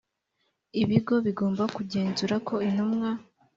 ibigo bigomba kugenzura ko intumwa